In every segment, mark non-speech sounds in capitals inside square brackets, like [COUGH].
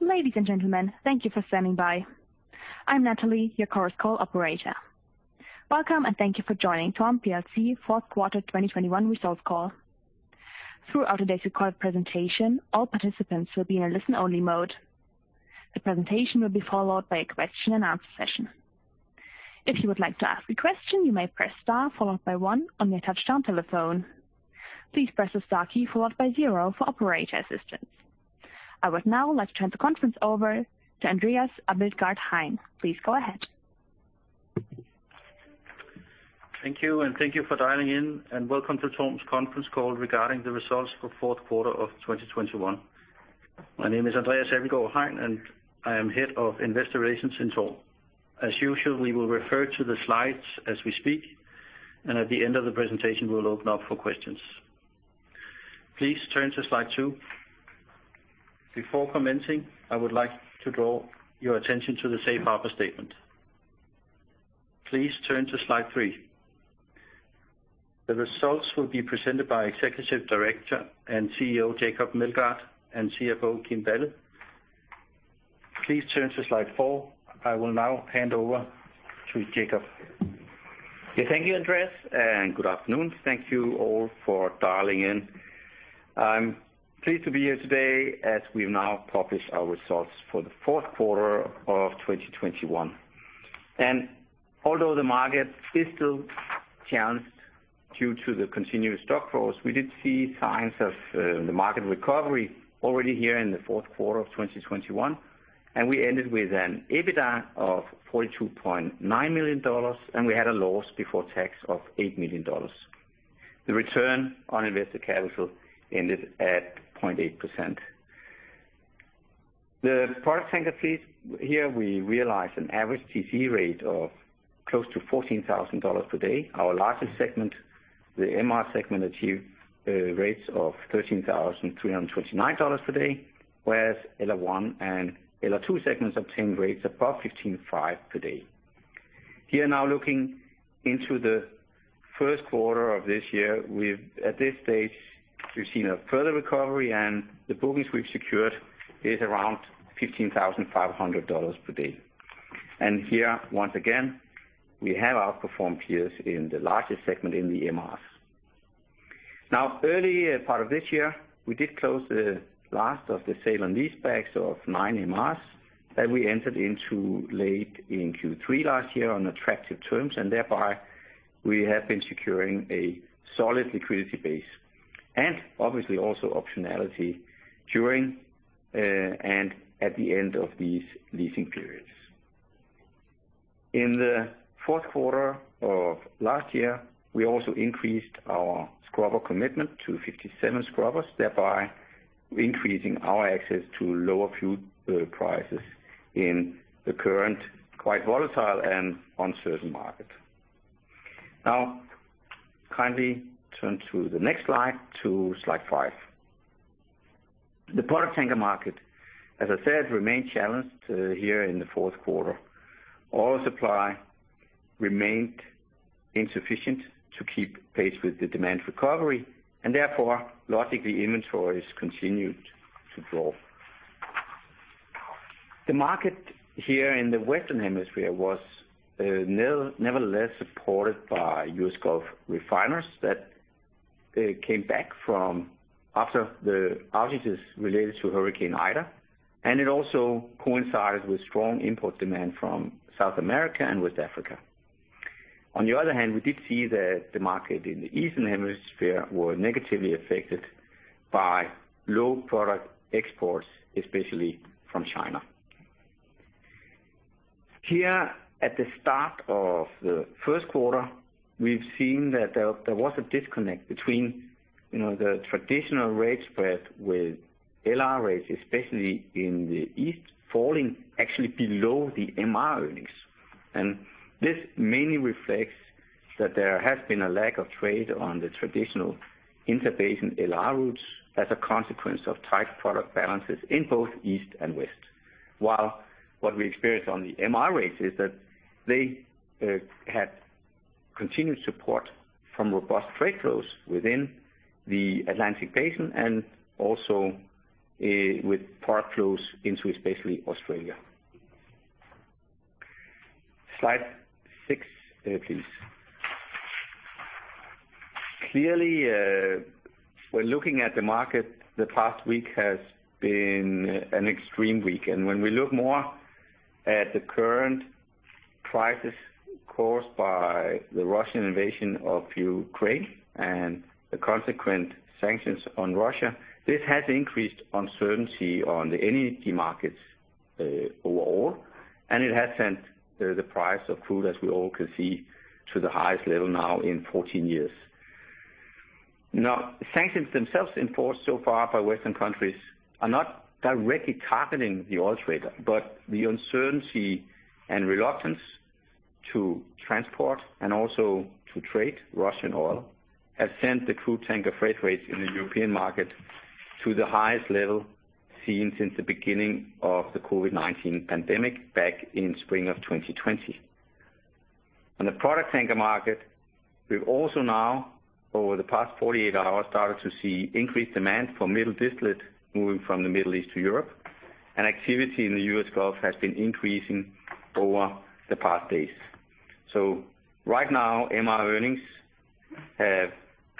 Ladies and gentlemen, thank you for standing by. I'm Natalie, your Chorus Call operator. Welcome, and thank you for joining TORM plc Q4 2021 results call. Throughout today's recorded presentation, all participants will be in a listen-only mode. The presentation will be followed by a question and answer session. If you would like to ask a question, you may press star followed by one on your touchtone telephone. Please press the star key followed by zero for operator assistance. I would now like to turn the conference over to Andreas Abildgaard-Hein. Please go ahead. Thank you, and thank you for dialing in, and welcome to TORM's conference call regarding the results for the Q4 of 2021. My name is Andreas Abildgaard-Hein, and I am Head of Investor Relations at TORM. As usual, we will refer to the slides as we speak, and at the end of the presentation, we'll open up for questions. Please turn to slide two. Before commencing, I would like to draw your attention to the safe harbor statement. Please turn to slide three. The results will be presented by Executive Director and CEO Jacob Meldgaard and CFO Kim Balle. Please turn to slide four. I will now hand over to Jacob. Thank you, Andreas Abildgaard-Hein, and good afternoon. Thank you all for dialing in. I'm pleased to be here today as we've now published our results for the Q4 of 2021. Although the market is still challenged due to the continuous stock flows, we did see signs of the market recovery already here in the Q4 of 2021, and we ended with an EBITDA of $42.9 million, and we had a loss before tax of $8 million. The return on invested capital ended at 0.8%. The product tanker fleet here we realized an average TCE rate of close to $14,000 per day. Our largest segment, the MR segment, achieved rates of $13,329 per day, whereas LR1 and LR2 segments obtained rates above $15,500 per day. Here now looking into the Q1 of this year, at this stage, we've seen a further recovery and the bookings we've secured is around $15,500 per day. Here, once again, we have outperformed peers in the largest segment in the MRs. Now, early part of this year, we did close the last of the sale and leasebacks of nine MRs that we entered into late in Q1 last year on attractive terms, and thereby we have been securing a solid liquidity base and obviously also optionality during, and at the end of these leasing periods. In the Q4 of last year, we also increased our scrubber commitment to 57 scrubbers, thereby increasing our access to lower fuel, prices in the current quite volatile and uncertain market. Now, kindly turn to the next slide, to slide five. The product tanker market, as I said, remained challenged here in the Q4. Oil supply remained insufficient to keep pace with the demand recovery and therefore, logically, inventories continued to draw. The market here in the Western Hemisphere was nevertheless supported by US Gulf refiners that came back from after the outages related to Hurricane Ida, and it also coincides with strong import demand from South America and West Africa. On the other hand, we did see the market in the Eastern Hemisphere were negatively affected by low product exports, especially from China. Here, at the start of the Q1, we've seen that there was a disconnect between, you know, the traditional rate spread with LR rates, especially in the east, falling actually below the MR earnings. This mainly reflects that there has been a lack of trade on the traditional inter-basin LR routes as a consequence of tight product balances in both East and West. While what we experience on the MR rates is that they had continued support from robust trade flows within the Atlantic basin and also with port flows into especially Australia. Slide six, please. Clearly, when looking at the market, the past week has been an extreme week. When we look more at the current crisis caused by the Russian invasion of Ukraine and the consequent sanctions on Russia, this has increased uncertainty on the energy markets overall, and it has sent the price of crude, as we all can see, to the highest level now in 14 years. Now, sanctions themselves enforced so far by Western countries are not directly targeting the oil trade, but the uncertainty and reluctance to transport and also to trade Russian oil has sent the crude tanker freight rates in the European market to the highest level seen since the beginning of the COVID-19 pandemic back in spring of 2020. On the product tanker market, we've also now, over the past 48 hours, started to see increased demand for middle distillate moving from the Middle East to Europe, and activity in the US Gulf has been increasing over the past days. Right now, MR earnings have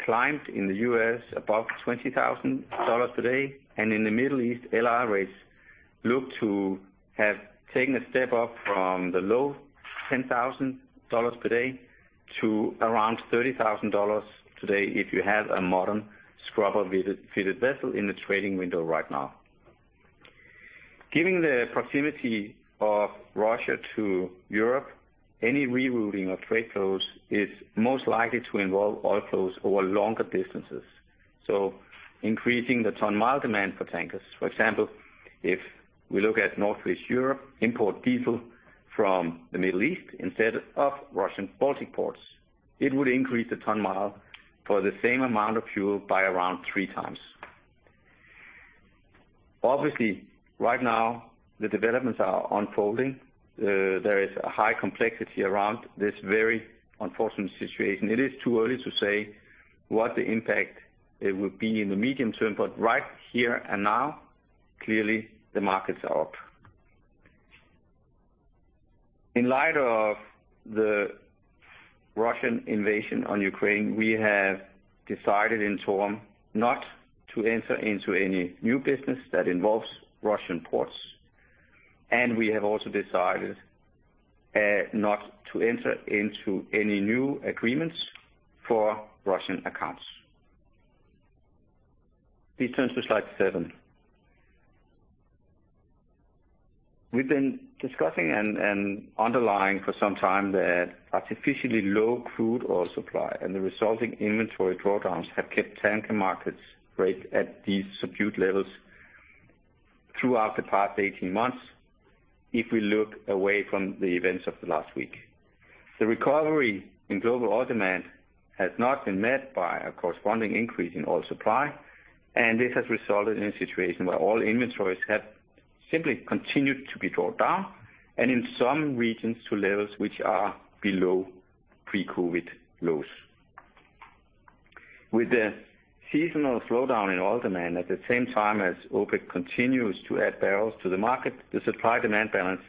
climbed in the US above $20,000 today, and in the Middle East, LR rates look to have taken a step up from the low $10,000 per day to around $30,000 today if you have a modern scrubber-fitted vessel in the trading window right now. Given the proximity of Russia to Europe, any rerouting of trade flows is most likely to involve oil flows over longer distances, so increasing the ton-mile demand for tankers. For example, if we look at Northwest Europe import diesel from the Middle East instead of Russian Baltic ports, it would increase the ton-mile for the same amount of fuel by around 3x. Obviously, right now the developments are unfolding. There is a high complexity around this very unfortunate situation. It is too early to say what the impact it will be in the medium term, but right here and now, clearly the markets are up. In light of the Russian invasion on Ukraine, we have decided in TORM not to enter into any new business that involves Russian ports. We have also decided not to enter into any new agreements for Russian accounts. Please turn to slide seven. We've been discussing and underlining for some time the artificially low crude oil supply and the resulting inventory drawdowns have kept tanker markets rates at these subdued levels throughout the past 18 months if we look away from the events of the last week. The recovery in global oil demand has not been met by a corresponding increase in oil supply, and this has resulted in a situation where oil inventories have simply continued to be drawn down, and in some regions to levels which are below pre-COVID lows. With the seasonal slowdown in oil demand at the same time as OPEC continues to add barrels to the market, the supply-demand balance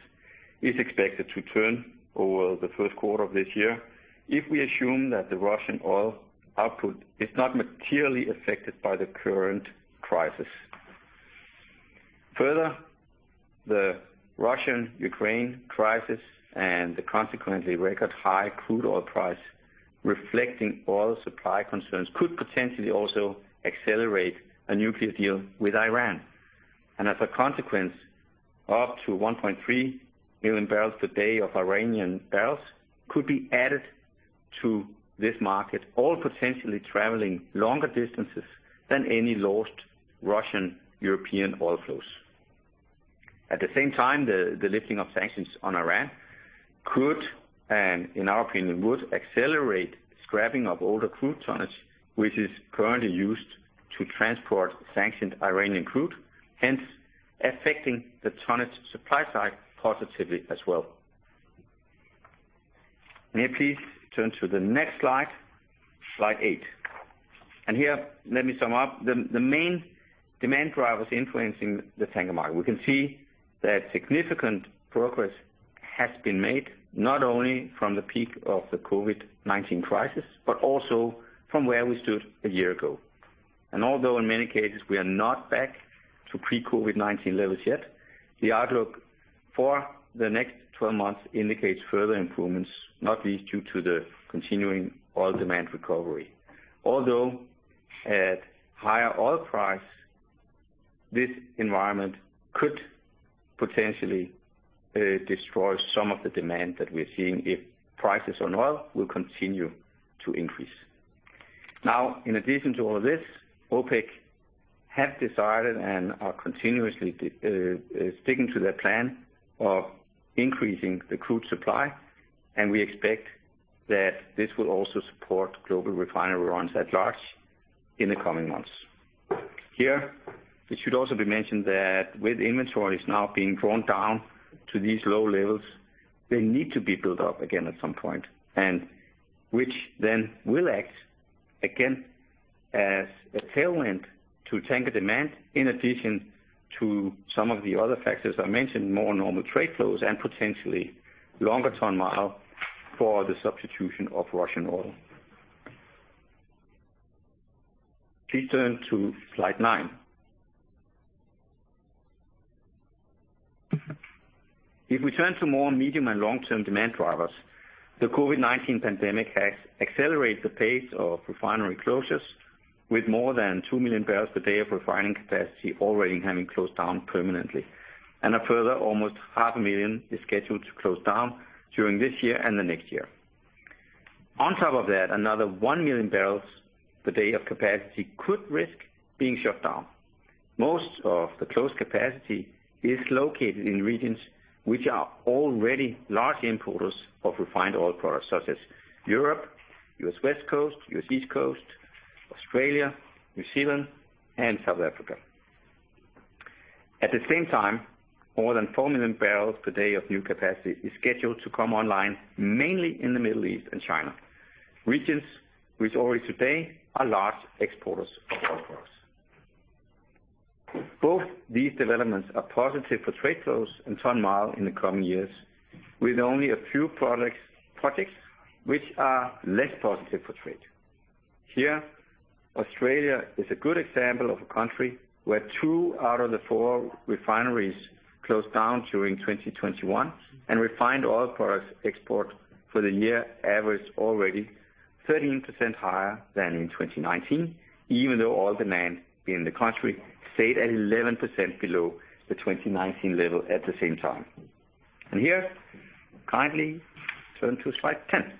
is expected to turn over the Q1 of this year if we assume that the Russian oil output is not materially affected by the current crisis. Further, the Russia-Ukraine crisis and the consequent record high crude oil price reflecting oil supply concerns could potentially also accelerate a nuclear deal with Iran. As a consequence, up to 1.3 million barrels per day of Iranian barrels could be added to this market, all potentially traveling longer distances than any lost Russian-European oil flows. At the same time, the lifting of sanctions on Iran could, and in our opinion, would accelerate scrapping of older crude tonnage, which is currently used to transport sanctioned Iranian crude, hence affecting the tonnage supply side positively as well. May I please turn to the next slide eight. Here, let me sum up the main demand drivers influencing the tanker market. We can see that significant progress has been made, not only from the peak of the COVID-19 crisis, but also from where we stood a year ago. Although in many cases we are not back to pre-COVID-19 levels yet, the outlook for the next 12 months indicates further improvements, not least due to the continuing oil demand recovery. Although at higher oil price, this environment could potentially destroy some of the demand that we're seeing if prices on oil will continue to increase. Now, in addition to all of this, OPEC have decided and are continuously sticking to their plan of increasing the crude supply, and we expect that this will also support global refinery runs at large in the coming months. Here, it should also be mentioned that with inventories now being drawn down to these low levels, they need to be built up again at some point, and which then will act again as a tailwind to tanker demand, in addition to some of the other factors I mentioned, more normal trade flows and potentially longer ton-mile for the substitution of Russian oil. Please turn to slide nine. If we turn to more medium and long-term demand drivers, the COVID-19 pandemic has accelerated the pace of refinery closures with more than 2 million barrels per day of refining capacity already having closed down permanently, and a further almost 0.5 million is scheduled to close down during this year and the next year. On top of that, another 1 million barrels per day of capacity could risk being shut down. Most of the closed capacity is located in regions which are already large importers of refined oil products such as Europe, US West Coast, US East Coast, Australia, New Zealand and South Africa. At the same time, more than 4 million barrels per day of new capacity is scheduled to come online, mainly in the Middle East and China, regions which already today are large exporters of oil for us. Both these developments are positive for trade flows and ton-mile in the coming years, with only a few products, projects which are less positive for trade. Here, Australia is a good example of a country where two out of the four refineries closed down during 2021, and refined oil products export for the year averaged already 13% higher than in 2019, even though oil demand in the country stayed at 11% below the 2019 level at the same time. Here, kindly turn to slide 10.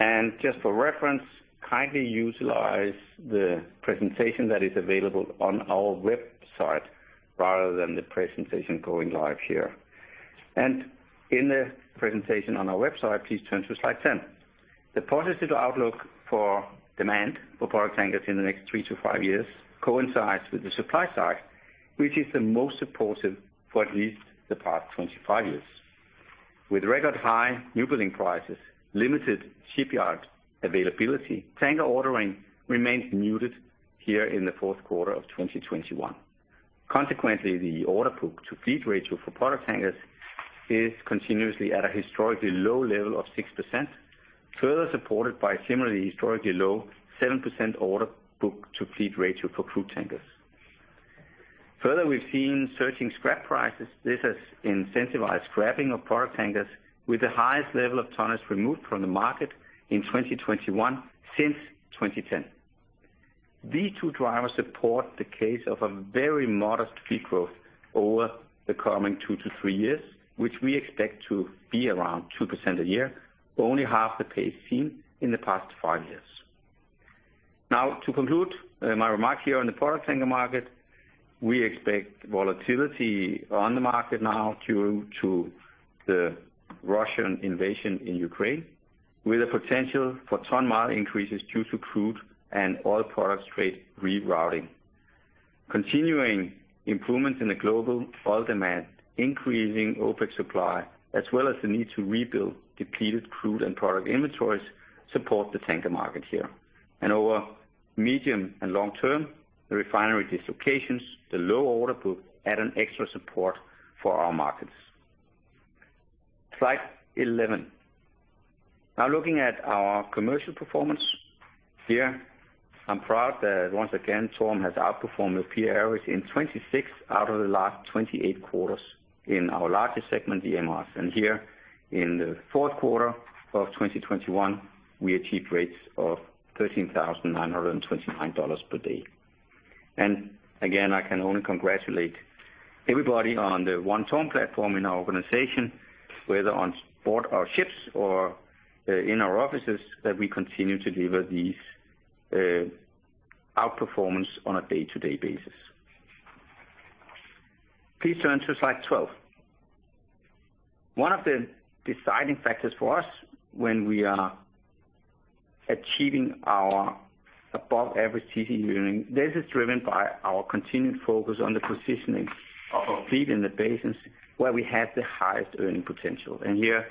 Yes. Just for reference, kindly utilize the presentation that is available on our website rather than the presentation going live here. In the presentation on our website, please turn to slide 10. The positive outlook for demand for product tankers in the next three to five years coincides with the supply side, which is the most supportive for at least the past 25 years. With record high newbuilding prices, limited shipyard availability, tanker ordering remains muted here in the Q4 of 2021. Consequently, the order book-to-fleet ratio for product tankers is continuously at a historically low level of 6%, further supported by similarly historically low 7% order book-to-fleet ratio for crude tankers. Further, we've seen surging scrap prices. This has incentivized scrapping of product tankers with the highest level of tonnage removed from the market in 2021 since 2010. These two drivers support the case of a very modest fleet growth over the coming two to three years, which we expect to be around 2% a year, only half the pace seen in the past five years. Now, to conclude, my remark here on the product tanker market, we expect volatility on the market now due to the Russian invasion in Ukraine, with a potential for ton-mile increases due to crude and oil product trade rerouting. Continuing improvements in the global oil demand, increasing OPEC supply, as well as the need to rebuild depleted crude and product inventories support the tanker market here. Over medium and long term, the refinery dislocations, the low order book add an extra support for our markets. Slide 11. Now looking at our commercial performance here, I'm proud that once again, TORM has outperformed the peer average in 26 out of the last 28 quarters in our largest segment, the MRs. Here in the Q4 of 2021, we achieved rates of $13,929 per day. Again, I can only congratulate everybody on the one TORM platform in our organization, whether on board our ships or in our offices, that we continue to deliver these outperformance on a day-to-day basis. Please turn to slide 12. One of the deciding factors for us when we are achieving our above average TC earning, this is driven by our continued focus on the positioning of our fleet in the basins where we have the highest earning potential. Here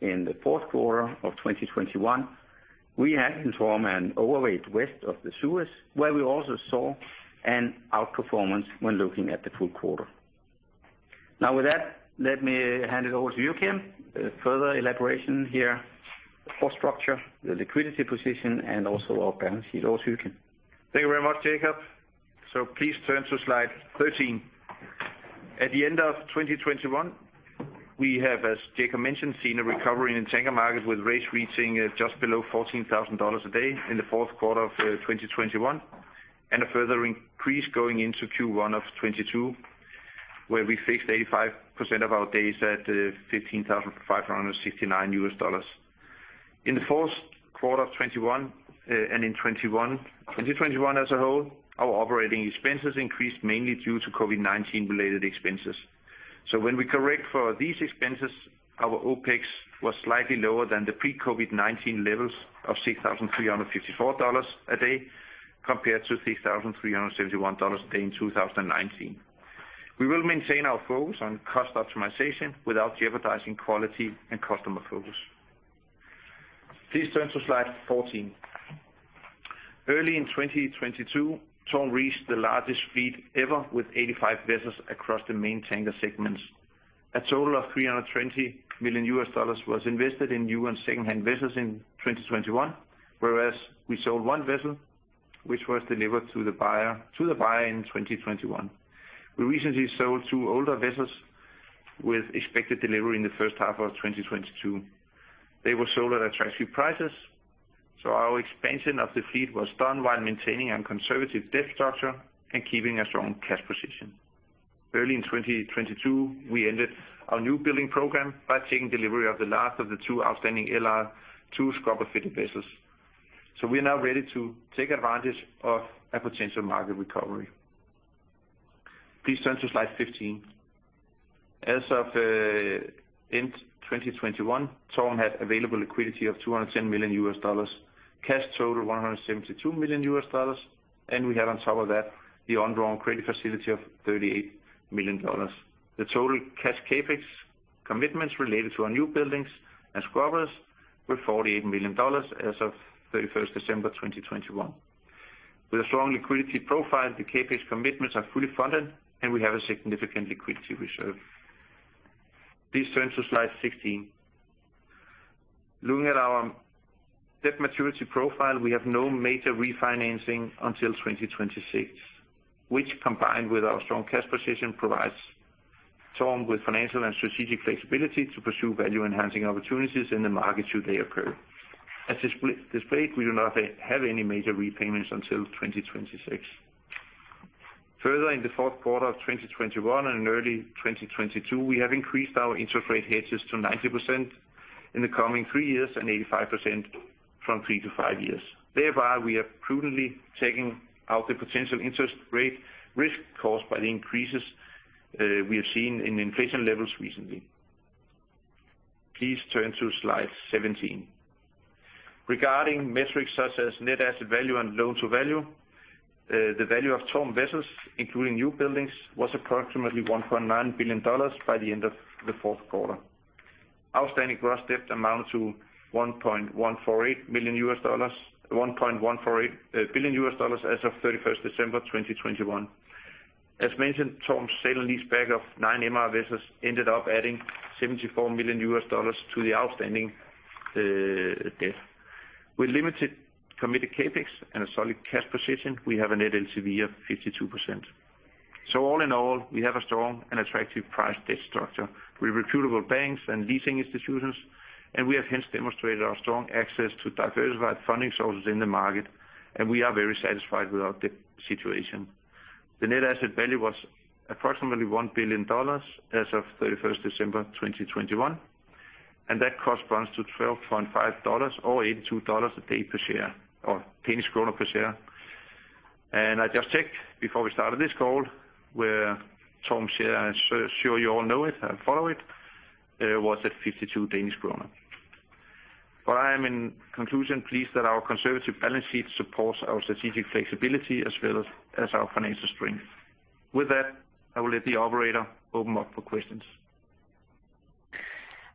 in the Q4 of 2021, we had in TORM an overweight west of the Suez, where we also saw an outperformance when looking at the full quarter. Now with that, let me hand it over to Kim Balle. Further elaboration here for structure, the liquidity position, and also our balance sheet. Over to you, Kim Balle. Thank you very much, Jacob. Please turn to slide 13. At the end of 2021, we have, as Jacob mentioned, seen a recovery in the tanker market with rates reaching just below $14,000 a day in the Q4 of 2021, and a further increase going into Q1 of 2022, where we fixed 85% of our days at $15,569. In the Q4 of 2021 and in 2021 as a whole, our operating expenses increased mainly due to COVID-19 related expenses. When we correct for these expenses, our OPEX was slightly lower than the pre-COVID-19 levels of $6,354 a day, compared to $6,371 a day in 2019. We will maintain our focus on cost optimization without jeopardizing quality and customer focus. Please turn to slide 14. Early in 2022, TORM reached the largest fleet ever with 85 vessels across the main tanker segments. A total of $320 million was invested in new and secondhand vessels in 2021, whereas we sold one vessel which was delivered to the buyer in 2021. We recently sold two older vessels with expected delivery in the first half of 2022. They were sold at attractive prices, so our expansion of the fleet was done while maintaining a conservative debt structure and keeping a strong cash position. Early in 2022, we ended our new building program by taking delivery of the last of the two outstanding LR2 scrubber-fitted vessels. We are now ready to take advantage of a potential market recovery. Please turn to slide 15. As of end 2021, TORM had available liquidity of $210 million, cash total $172 million, and we had on top of that the undrawn credit facility of $38 million. The total cash CapEx commitments related to our new buildings and scrubbers were $48 million as of 31 December, 2021. With a strong liquidity profile, the CapEx commitments are fully funded, and we have a significant liquidity reserve. Please turn to slide 16. Looking at our debt maturity profile, we have no major refinancing until 2026, which combined with our strong cash position, provides TORM with financial and strategic flexibility to pursue value-enhancing opportunities in the market should they occur. As displayed, we do not have any major repayments until 2026. Further, in the Q4 of 2021 and in early 2022, we have increased our interest rate hedges to 90% in the coming three years and 85% from three to five years. Thereby, we are prudently taking out the potential interest rate risk caused by the increases we have seen in inflation levels recently. Please turn to slide 17. Regarding metrics such as net asset value and loan to value, the value of TORM vessels, including new buildings, was approximately $1.9 billion by the end of the Q4. Outstanding gross debt amounted to $1.148 billion as of 31 December 2021. As mentioned, TORM's sale and leaseback of nine MR vessels ended up adding $74 million to the outstanding debt. With limited committed CapEx and a solid cash position, we have a net LTV of 52%. All in all, we have a strong and attractive priced debt structure with reputable banks and leasing institutions, and we have hence demonstrated our strong access to diversified funding sources in the market, and we are very satisfied with our debt situation. The net asset value was approximately $1 billion as of 31 December, 2021, and that corresponds to $12.5 or DKK 82 per share, or Danish kroner per share. I just checked before we started this call where TORM share, I'm sure you all know it and follow it, was at 52 Danish kroner. I am, in conclusion, pleased that our conservative balance sheet supports our strategic flexibility as well as our financial strength. With that, I will let the operator open up for questions.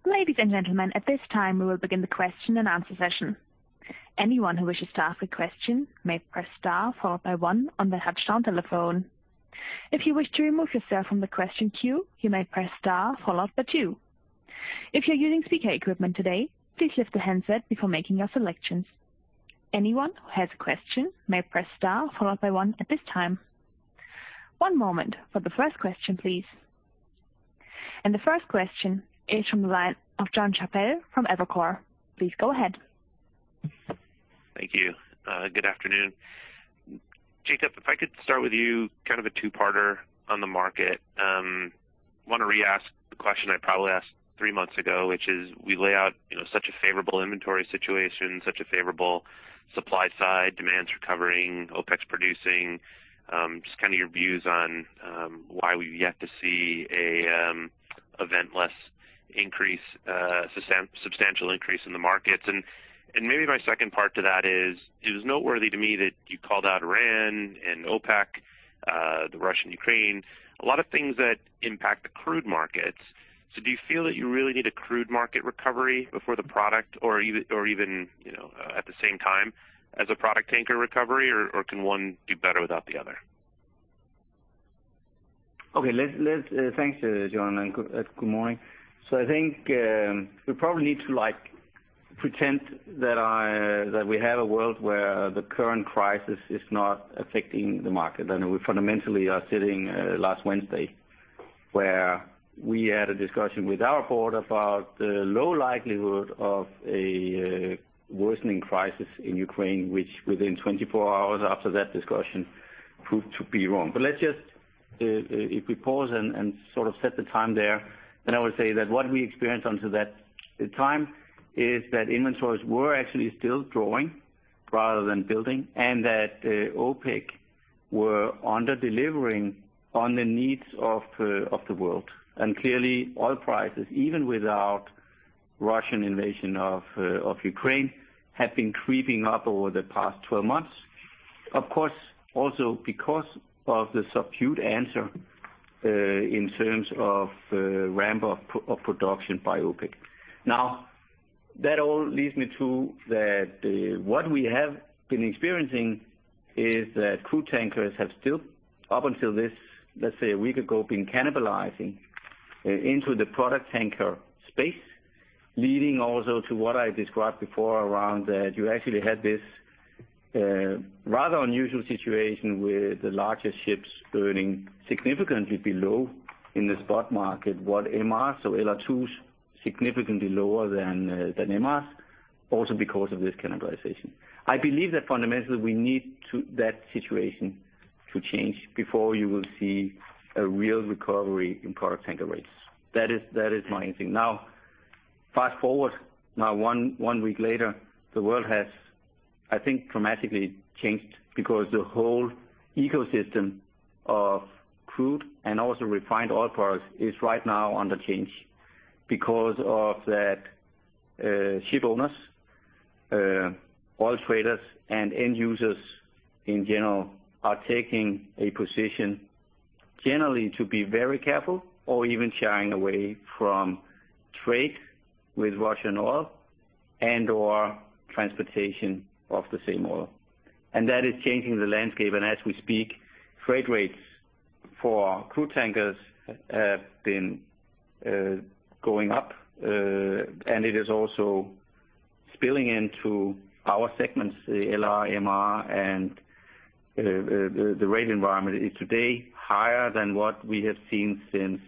Ladies and gentlemen, at this time, we will begin the question and answer session. Anyone who wishes to ask a question may press star followed by one on their touch-tone telephone. If you wish to remove yourself from the question queue, you may press star followed by two. If you're using speaker equipment today, please lift the handset before making your selections. Anyone who has a question may press star followed by one at this time. One moment for the first question, please. The first question is from the line of Jonathan Chappell from Evercore. Please go ahead. Thank you. Good afternoon. Jacob, if I could start with you, kind of a two-parter on the market. Wanna re-ask the question I probably asked three months ago, which is we lay out, you know, such a favorable inventory situation, such a favorable supply side, demands recovering, OPEX producing, just kinda your views on, why we've yet to see a, event-less increase, substantial increase in the markets. Maybe my second part to that is, it was noteworthy to me that you called out Iran and OPEC, the Russian/Ukraine, a lot of things that impact the crude markets. Do you feel that you really need a crude market recovery before the product or even, you know, at the same time as a product tanker recovery, or can one do better without the other? Thanks, John, and good morning. I think we probably need to, like, pretend that we have a world where the current crisis is not affecting the market. We fundamentally are sitting last Wednesday, where we had a discussion with our board about the low likelihood of a worsening crisis in Ukraine, which within 24 hours after that discussion proved to be wrong. Let's just if we pause and sort of set the time there, then I would say that what we experienced until that time is that inventories were actually still drawing rather than building, and that OPEC were under-delivering on the needs of the world. Clearly, oil prices, even without Russian invasion of Ukraine, have been creeping up over the past 12 months. Of course, also because of the subdued answer, in terms of, ramp of production by OPEC. Now, that all leads me to that, what we have been experiencing is that crude tankers have still, up until this, let's say a week ago, been cannibalizing, into the product tanker space, leading also to what I described before around, you actually had this, rather unusual situation with the larger ships burning significantly below in the spot market what MRs or LR2s, significantly lower than MRs. Also because of this cannibalization. I believe that fundamentally, we need that situation to change before you will see a real recovery in product tanker rates. That is my main thing. Now, fast-forward one week later, the world has, I think, dramatically changed because the whole ecosystem of crude and also refined oil products is right now under change because of that, ship owners, oil traders, and end users in general are taking a position, generally, to be very careful or even shying away from trade with Russian oil and/or transportation of the same oil. That is changing the landscape. As we speak, freight rates for crude tankers have been going up, and it is also spilling into our segments, the LR, MR and the rate environment is today higher than what we have seen since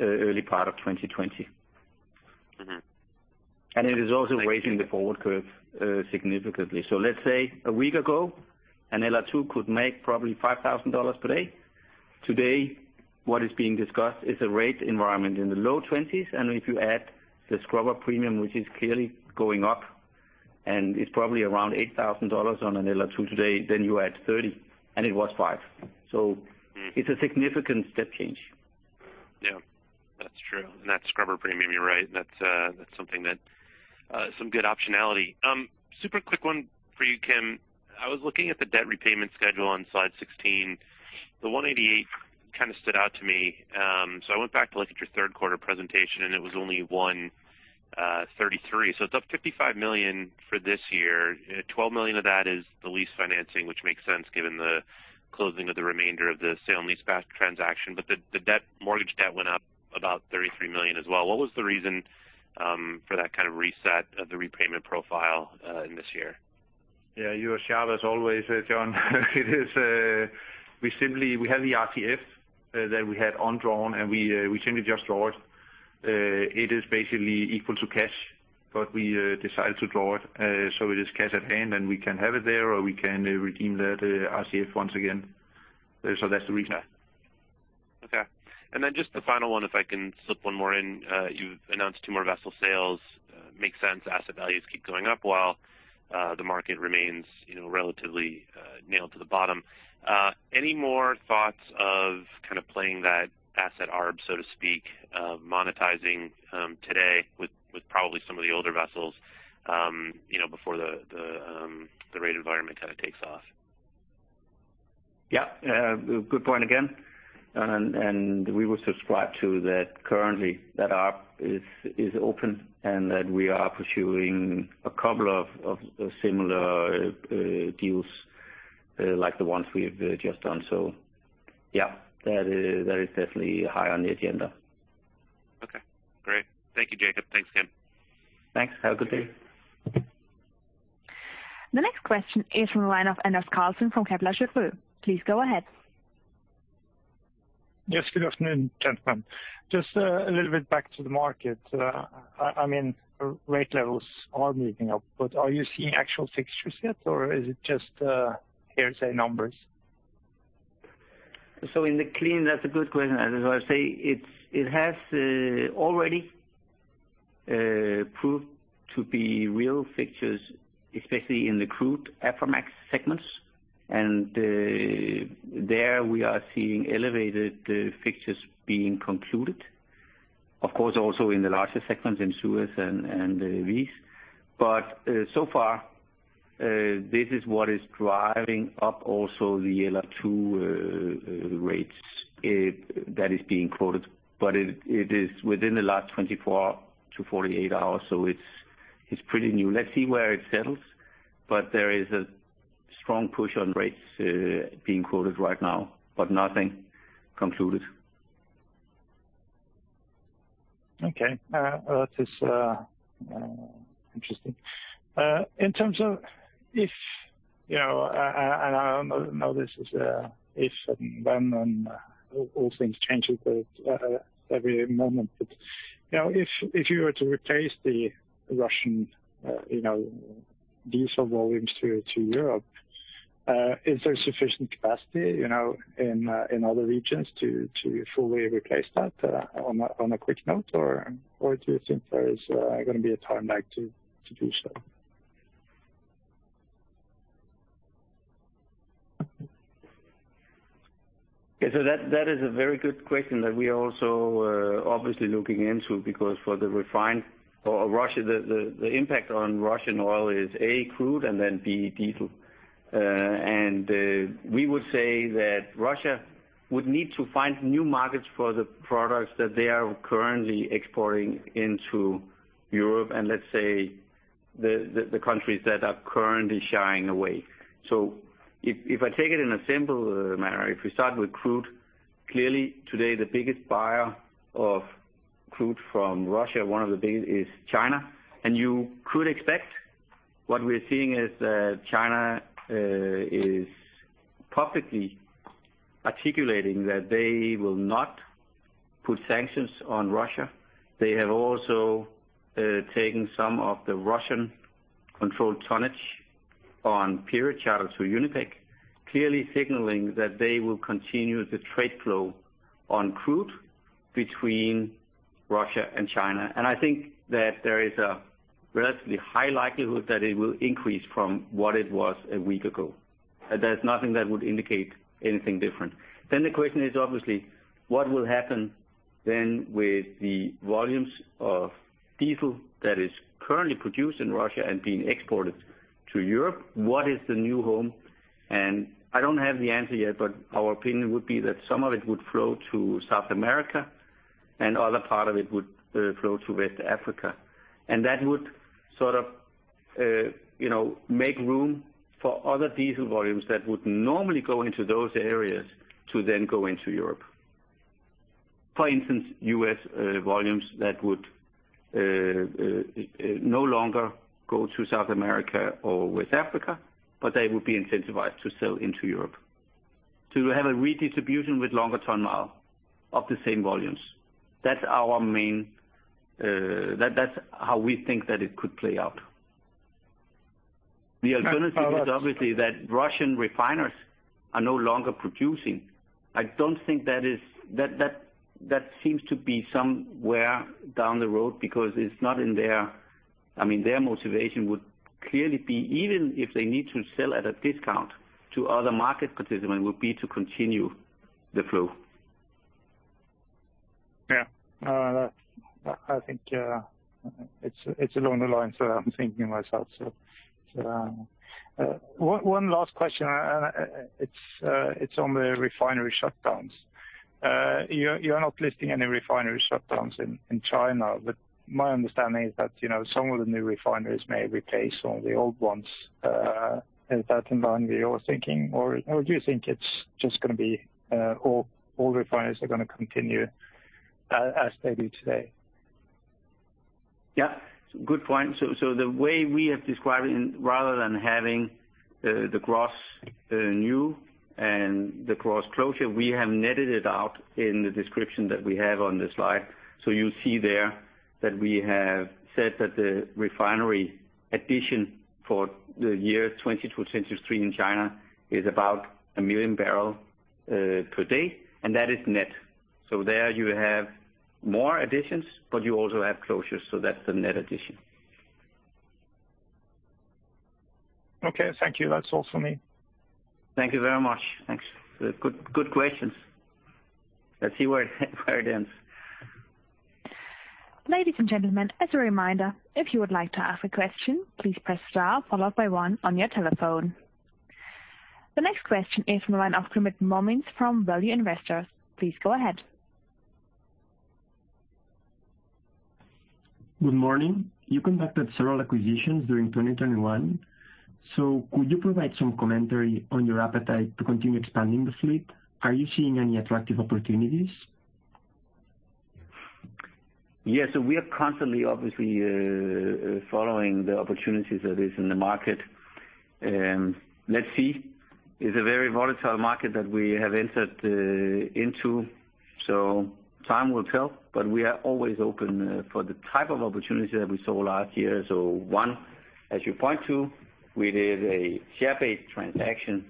early part of 2020. Mm-hmm. It is also raising the forward curve, significantly. Let's say a week ago, an LR2 could make probably $5,000 per day. Today, what is being discussed is a rate environment in the low 20, and if you add the scrubber premium, which is clearly going up, and it's probably around $8,000 on an LR2 today, then you add 30, and it was five. Mm. It's a significant step change. Yeah, that's true. That scrubber premium, you're right, that's something that some good optionality. Super quick one for you, Kim. I was looking at the debt repayment schedule on slide 16. The 188 kind of stood out to me. I went back to look at your Q3 presentation, and it was only 133. It's up $55 million for this year. 12 million of that is the lease financing, which makes sense given the closing of the remainder of the sale and leaseback transaction. The debt, mortgage debt went up about $33 million as well. What was the reason for that kind of reset of the repayment profile in this year? Yeah, you are sharp as always, Jonathan Chappell. We have the RCF that we had undrawn, and we intended to just draw it. It is basically equal to cash, but we decided to draw it, so it is cash at hand, and we can have it there or we can redeem that RCF once again. That's the reason. Okay. Just the final one, if I can slip one more in. You've announced two more vessel sales. Makes sense. Asset values keep going up while the market remains, you know, relatively nailed to the bottom. Any more thoughts of kind of playing that asset arb, so to speak, of monetizing today with probably some of the older vessels, you know, before the rate environment kind of takes off? Yeah, good point again. We will subscribe to that currently, that arb is open and that we are pursuing a couple of similar deals like the ones we've just done. Yeah, that is definitely high on the agenda. Okay, great. Thank you, Jacob. Thanks, Kim. Thanks. Have a good day. The next question is from the line of Anders Karlsen from Kepler Cheuvreux. Please go ahead. Yes, good afternoon, gentlemen. Just a little bit back to the market. I mean, rate levels are moving up, but are you seeing actual fixtures yet or is it just hearsay numbers? In the clean, that's a good question, as I say, it has already proved to be real fixtures, especially in the crude Aframax segments. There we are seeing elevated fixtures being concluded. Of course, also in the larger segments in Suezmax and VLCC. So far, this is what is driving up also the LR2 rates that is being quoted. It is within the last 24 to 48 hours, so it's pretty new. Let's see where it settles. There is a strong push on rates being quoted right now, but nothing concluded. Okay. That is interesting. In terms of if, you know, and I know this is a if and when and all things changes at every moment. You know, if you were to replace the Russian diesel volumes to Europe, is there sufficient capacity, you know, in other regions to fully replace that on a quick note? Or do you think there is gonna be a time lag to do so? That is a very good question that we are also obviously looking into because for the refined oil from Russia, the impact on Russian oil is A, crude and then B, diesel. We would say that Russia would need to find new markets for the products that they are currently exporting into Europe and let's say the countries that are currently shying away. If I take it in a simple manner, if we start with crude, clearly today the biggest buyer of crude from Russia, one of the biggest is China. You could expect what we're seeing is that China is publicly articulating that they will not put sanctions on Russia. They have also taken some of the Russian-controlled tonnage on period charters through UNIPEC, clearly signaling that they will continue the trade flow on crude between Russia and China. I think that there is a relatively high likelihood that it will increase from what it was a week ago. There's nothing that would indicate anything different. The question is, obviously, what will happen then with the volumes of diesel that is currently produced in Russia and being exported to Europe, what is the new home? I don't have the answer yet, but our opinion would be that some of it would flow to South America and other part of it would flow to West Africa. That would sort of, you know, make room for other diesel volumes that would normally go into those areas to then go into Europe. For instance, US volumes that would no longer go to South America or West Africa, but they would be incentivized to sell into Europe to have a redistribution with longer ton-mile of the same volumes. That's our main, that's how we think that it could play out. [CROSSTALK] The alternative is obviously that Russian refiners are no longer producing. I don't think that seems to be somewhere down the road because it's not in their, I mean, their motivation would clearly be even if they need to sell at a discount to other market participant, would be to continue the flow. Yeah. I think it's along the lines that I'm thinking myself. One last question, it's on the refinery shutdowns. You're not listing any refinery shutdowns in China, but my understanding is that, you know, some of the new refineries may replace some of the old ones. Is that in line with your thinking or do you think it's just gonna be all refineries are gonna continue as they do today? Yeah. Good point. The way we have described it, rather than having the gross new and the gross closure, we have netted it out in the description that we have on the slide. You see there that we have said that the refinery addition for the year 2020 to 2023 in China is about 1 million barrels per day, and that is net. There you have more additions, but you also have closures, that's the net addition. Okay. Thank you. That's all for me. Thank you very much. Thanks. Good questions. Let's see where it ends. Ladies and gentlemen, as a reminder, if you would like to ask a question, please press star followed by one on your telephone. The next question is from the line of Kumud Momins from Value Investors. Please go ahead. Good morning. You conducted several acquisitions during 2021. Could you provide some commentary on your appetite to continue expanding the fleet? Are you seeing any attractive opportunities? Yeah. We are constantly, obviously, following the opportunities that is in the market. Let's see. It's a very volatile market that we have entered into, so time will tell. We are always open for the type of opportunity that we saw last year. One, as you point to, we did a share-based transaction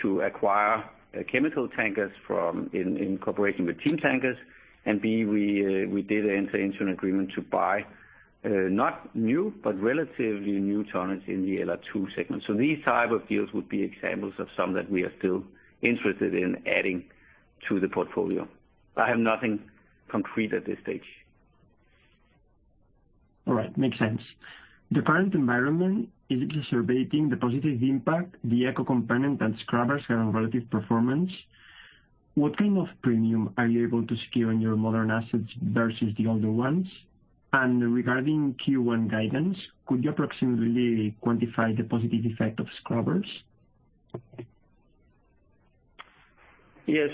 to acquire chemical tankers from, in cooperation with Team Tankers. B, we did enter into an agreement to buy not new, but relatively new tonnage in the LR2 segment. These type of deals would be examples of some that we are still interested in adding to the portfolio. I have nothing concrete at this stage. All right. Makes sense. The current environment is exacerbating the positive impact the eco component and scrubbers have on relative performance. What kind of premium are you able to secure on your modern assets versus the older ones? Regarding Q1 guidance, could you approximately quantify the positive effect of scrubbers? Yeah,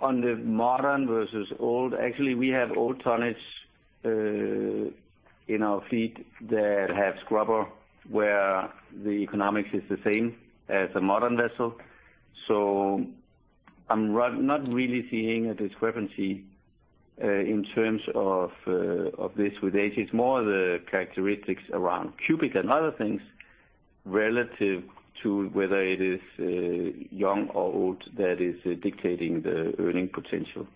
on the modern versus old, actually, we have old tonnage in our fleet that have scrubber where the economics is the same as a modern vessel. I'm not really seeing a discrepancy in terms of this with age. It's more the characteristics around cubic and other things relative to whether it is young or old that is dictating the earning potential.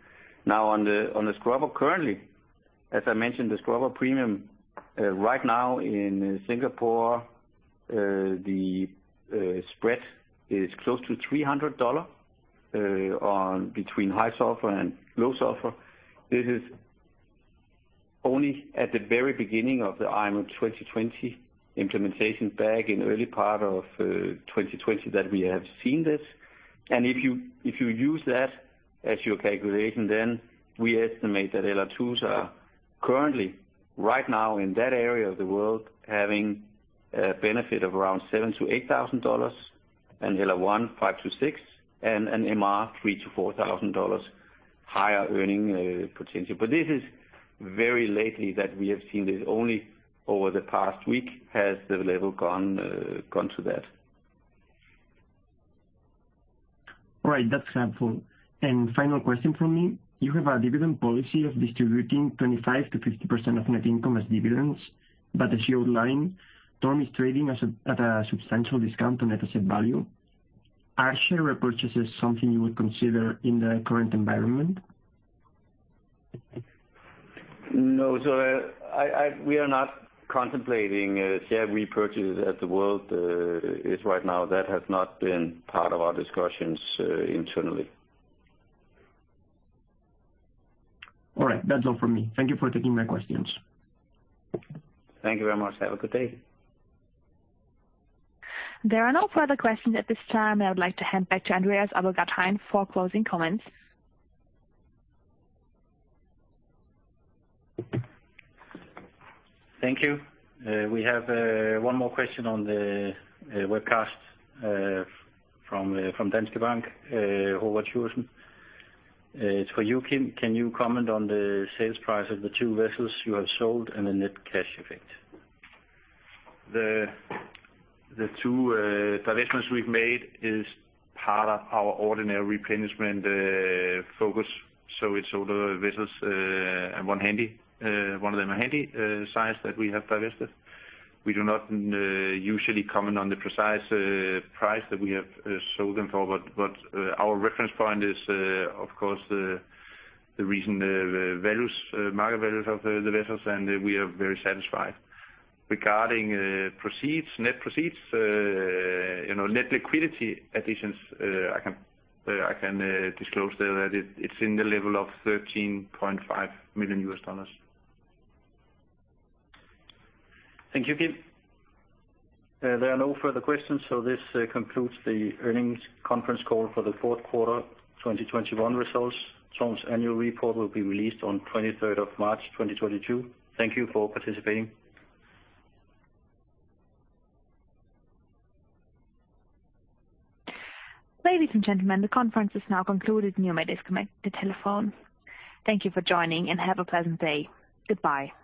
Now, on the scrubber, currently, as I mentioned, the scrubber premium right now in Singapore, the spread is close to $300 on between high sulfur and low sulfur. This is only at the very beginning of the IMO 2020 implementation back in early part of 2020 that we have seen this. If you use that as your calculation, then we estimate that LR2s are currently right now in that area of the world having a benefit of around $7,000 to $8,000, and LR1, $5,000 to $6,000, and an MR, $3,000 to $4,000. Higher earning potential. This is very lately that we have seen this. Only over the past week has the level gone to that. All right. That's helpful. Final question from me. You have a dividend policy of distributing 25% to 50% of net income as dividends. As you outlined, TORM is trading at a substantial discount on net asset value. Are share repurchases something you would consider in the current environment? No. We are not contemplating a share repurchase as the world is right now. That has not been part of our discussions internally. All right. That's all from me. Thank you for taking my questions. Thank you very much. Have a good day. There are no further questions at this time. I would like to hand back to Andreas Abildgaard-Hein for closing comments. Thank you. We have one more question on the webcast from Danske Bank. Håvard Nesheim. It's for you, Kim. Can you comment on the sales price of the two vessels you have sold and the net cash effect? The two divestments we've made is part of our ordinary replenishment focus. It's older vessels, and one Handy, one of them a Handy size that we have divested. We do not usually comment on the precise price that we have sold them for. Our reference point is, of course, the recent market values of the vessels, and we are very satisfied. Regarding proceeds, net proceeds, you know, net liquidity additions, I can disclose that it's in the level of $13.5 million. Thank you, Kim. There are no further questions, so this concludes the earnings conference call for the Q4 2021 results. TORM's annual report will be released on 23rd of March, 2022. Thank you for participating. Ladies and gentlemen, the conference is now concluded. You may disconnect the telephone. Thank you for joining, and have a pleasant day. Goodbye.